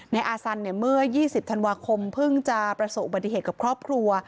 นายอาซันเนี่ยเมื่อ๒๐ธันวาคมเพิ่งจะประสบอุบัติเหตุกับครอบครัว